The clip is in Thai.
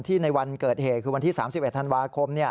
ในวันเกิดเหตุคือวันที่๓๑ธันวาคม